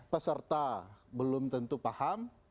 peserta belum tentu paham